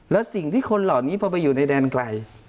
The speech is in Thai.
แล้วสิ่งที่คนเหล่านี้พอไปอยู่ในแดนไกล